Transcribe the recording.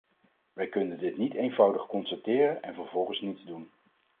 Wij kunnen dit niet eenvoudigweg constateren en vervolgens niets doen.